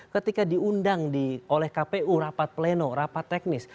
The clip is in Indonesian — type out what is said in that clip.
ketika diundang oleh kpu rapat pleno rapat teknis